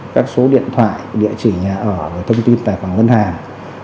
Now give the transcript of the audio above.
các số điện thoại địa chỉ nhà ở và thông tin tài khoản ngân hàng